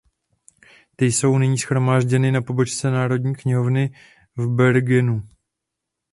Ty jsou nyní shromážděny na pobočce Národní knihovny v Bergenu.